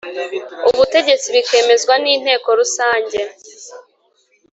Ubutegetsi bikemezwa n Inteko Rusange